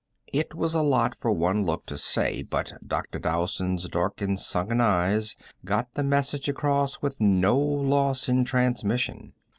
It was a lot for one look to say, but Dr. Dowson's dark and sunken eyes got the message across with no loss in transmission.